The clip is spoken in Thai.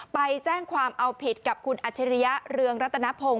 ไปแจ้งความเอาผิดกับคุณอัจฉริยะเรืองรัตนพงศ